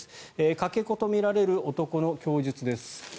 かけ子とみられる男の供述です。